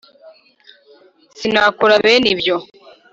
sinakora bene ibyo.